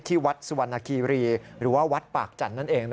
ที่วัดสุวรรณคีรีหรือว่าวัดปากจันทร์นั่นเอง